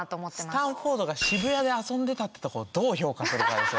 スタンフォードが渋谷で遊んでたってとこどう評価するかですよね。